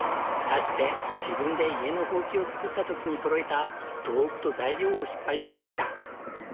かつて自分で家のホウキを作った時にそろえた道具と材料を引っ張り出してきた。